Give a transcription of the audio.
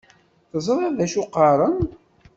Teẓriḍ d acu qqaren.